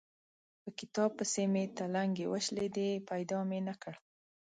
په کتاب پسې مې تلنګې وشلېدې؛ پيدا مې نه کړ.